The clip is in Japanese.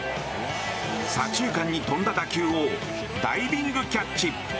左中間に飛んだ打球をダイビングキャッチ。